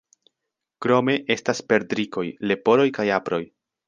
Krome estas perdrikoj, leporoj kaj aproj.